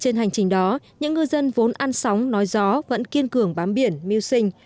trên hành trình đó những ngư dân vốn ăn sóng nói gió vẫn kiên cường bám biển mưu sinh